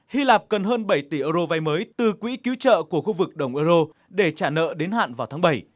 hy lạp cần hơn bảy tỷ euro vay mới từ quỹ cứu trợ của khu vực đồng euro để trả nợ đến hạn vào tháng bảy